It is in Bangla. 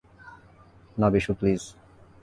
না, বিশু, প্লীজ।